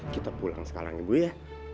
kita pulang sekarang ibu ya